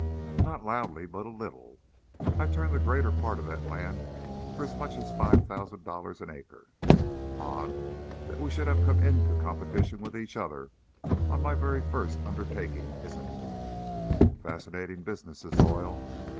"Not loudly, but a little. I turned the greater part of that land for as much as five thousand dollars an acre. Odd that we should have come into competition with each other on my very first undertaking, isn't it? Fascinating business, this oil.